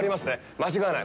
間違いない。